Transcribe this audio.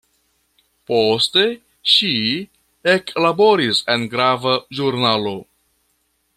Poste ŝi eklaboris en grava ĵurnalo.